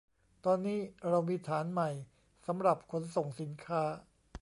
ตอนนี้เรามีฐานใหม่สำหรับขนส่งสินค้า